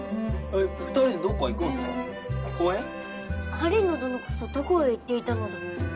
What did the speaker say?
狩野どのこそどこへ行っていたのだ？